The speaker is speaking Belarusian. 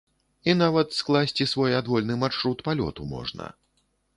І нават скласці свой адвольны маршрут палёту можна.